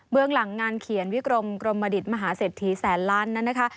หลังงานเขียนวิกรมกรมดิตมหาเศรษฐีแสนล้านนั้นนะคะ